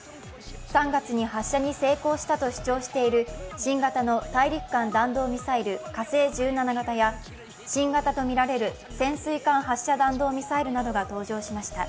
３月に発射に成功したと主張している新型の大陸間弾道ミサイル、火星１７型や新型とみられる潜水艦発射弾道ミサイルなどが登場しました。